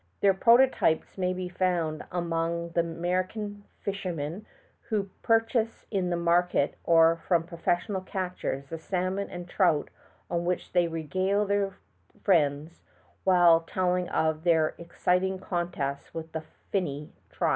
Their prototypes may be found among the American fishermen, who purchase in the market or from professional catchers the salmon and trout on which they regale their friends while telling of their exciting contests with the finny tribe.